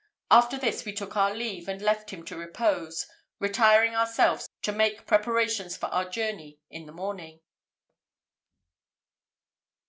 After this, we took our leave, and left him to repose, retiring ourselves to make preparations for our journey in the morning.